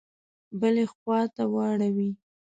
بلي خواته واړوي.